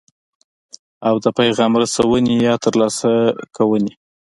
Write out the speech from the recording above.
او د پیغام رسونې یا ترلاسه کوونې.